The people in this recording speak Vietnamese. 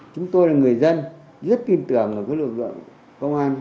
chúng tôi là người dân rất tin tưởng vào cái lực lượng công an